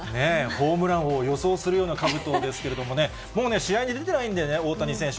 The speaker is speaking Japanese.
ホームラン王を予想するようなかぶとですけれどもね、もうね、試合に出てないんでね、大谷選手。